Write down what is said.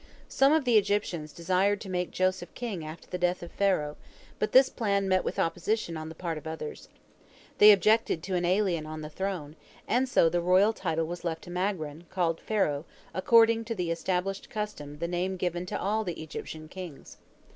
Some of the Egyptians desired to make Joseph king after the death of Pharaoh, but this plan met with opposition on the part of others. They objected to an alien on the throne, and so the royal title was left to Magron, called Pharaoh, according to the established custom the name given to all the Egyptian kings.